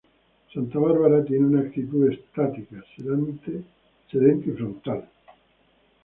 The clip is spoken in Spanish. Santa Bárbara tiene una actitud estática, sedente y frontal.